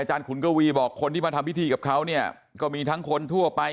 ขุนกวีบอกคนที่มาทำพิธีกับเขาเนี่ยก็มีทั้งคนทั่วไป